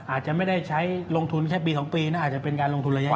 อาจจะไม่ได้ใช้ลงทุนแค่ปี๒ปีนะอาจจะเป็นการลงทุนระยะ